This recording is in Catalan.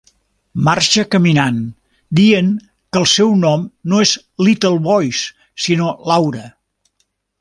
Marxa caminant dient que el seu nom no és Little Voice, sinó Laura.